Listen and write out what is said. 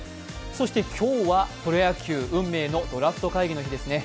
そして今日は、プロ野球、運命のドラフト会議の日ですね。